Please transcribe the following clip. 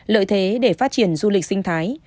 lợi thế để phát triển du lịch sinh thái